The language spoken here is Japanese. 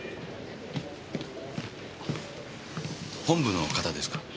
本部の方ですか？